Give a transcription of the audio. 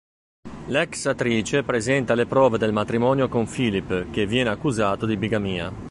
L'ex attrice presenta le prove del matrimonio con Philip che viene accusato di bigamia.